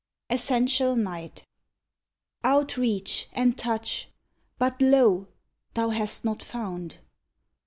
75 ESSENTIAL NIGHT Outreach and touch ! But lo ! thou hast not found